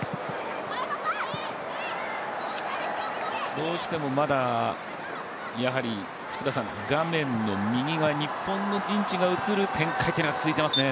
どうしてもまだ画面の右側日本の陣地が映る展開が続いていますね。